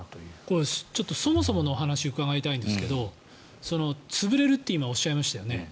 これ、そもそもの話を伺いたいんですが潰れるって今、おっしゃいましたよね。